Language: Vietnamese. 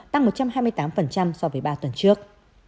tăng một trăm hai mươi tám so với ba tuần trước